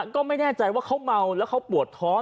ก็ไม่แน่ใจว่าเขาเมาแล้วเขาปวดท้อง